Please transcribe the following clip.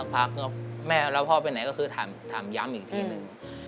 แล้วพ่อไปไหนก็คือถามย้ำอีกทีหนึ่ง